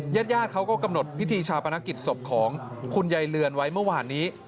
ญาติญาติเขาก็กำหนดพิธีชาปนกิจศพของคุณยายเรือนไว้เมื่อวานนี้